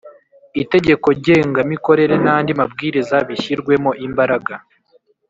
Itegekogengamikorere n andi mabwiriza bishyirwemo imbaraga